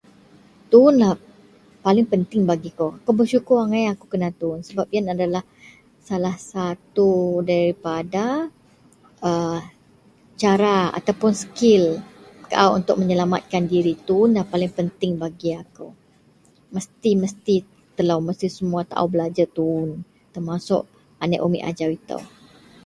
Tuwun lah paling penting bagi kou. Akou bersyukur angai akou kena tuwun sebap yen adalah salah satu daripada [a] cara ataupuun skil kaau untuk menyelametkan dirik. Tuwunlah paling penting bagi akou mesti-mesti telou semua belajer tuwun termasuk aneak umik ajau.